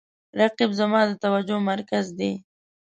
رقیب زما د توجه مرکز دی